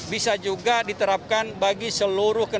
bisa juga diterapkan bagi seluruh kendaraan